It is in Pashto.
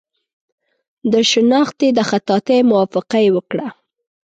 د شنختې د خطاطۍ موافقه یې وکړه.